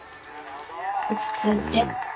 落ち着いて。